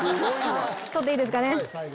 取っていいですかね。